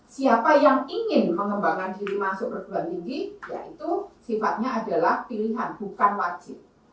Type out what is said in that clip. siapa yang ingin mengembangkan diri masuk perguruan tinggi yaitu sifatnya adalah pilihan bukan wajib